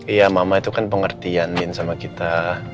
iya mama itu kan pengertianin sama kita